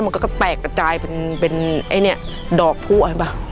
มันก็แปลกกระจายเป็นดอกพุเห็นป่ะ